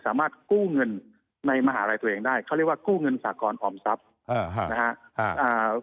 สามารถกู้เงินในมหาลัยตัวเองได้เขาเรียกว่ากู้เงินสากรออมทรัพย์นะฮะ